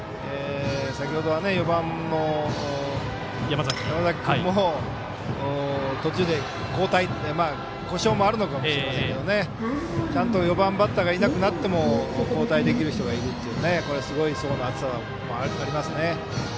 先ほどは４番の山崎君も途中で交代故障もあるのかもしれませんけどちゃんと４番バッターがいなくなっても交代できる人がいるというのはすごい層の厚さもありますね。